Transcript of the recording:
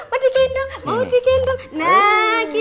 mau digendong mau digendong